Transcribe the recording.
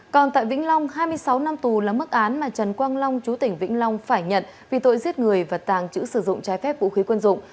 còn tại vĩnh long hai mươi sáu năm tù là mức án mà trần quang long chú tỉnh vĩnh long phải nhận vì tội giết người và tàng trữ sử dụng trái phép vũ khí quân dụng